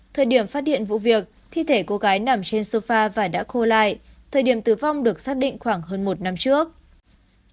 thời điểm phát hiện vụ việc thi thể cô gái nằm trên sofa và đã khô lại thời điểm tử vong được xác định khoảng hơn một năm trước